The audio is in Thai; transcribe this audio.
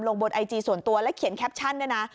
บนไอจีส่วนตัวและเขียนแคปชั่นด้วยนะ